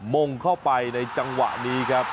มงเข้าไปในจังหวะนี้ครับ